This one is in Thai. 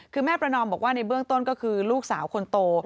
คือแม่ประนอมบอกว่าในเบื้องต้นก็คือลูกสาวคนโต